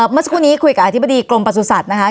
เมื่อสักครู่นี้คุยกับอธิบดีกรมประสุทธิ์นะคะ